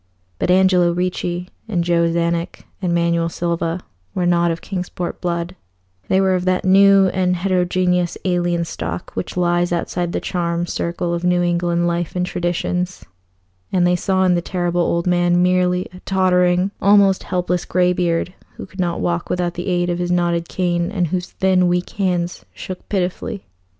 But Angelo Ricci and Joe Czanek and Manuel Silva were not of Kingsport blood; they were of that new and heterogeneous alien stock which lies outside the charmed circle of New England life and traditions, and they saw in the Terrible Old Man merely a tottering, almost helpless greybeard, who could not walk without the aid of his knotted cane, and whose thin, weak hands shook pitifully.